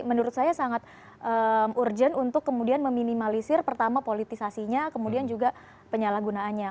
menurut saya sangat urgent untuk kemudian meminimalisir pertama politisasinya kemudian juga penyalahgunaannya